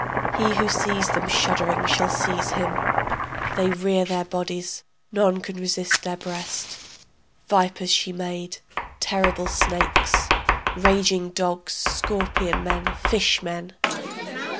He who sees them shuddering shall seize him, They rear their bodies, none can resist their breast. Vipers she made, terrible snakes.... ... raging dogs, scorpion men ... fish men....